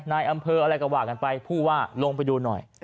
นายอำเภออะไรก็ว่ากันไปผู้ว่าลงไปดูหน่อย